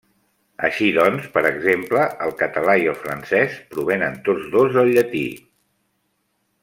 Així, doncs, per exemple, el català i el francès provenen tots dos del llatí.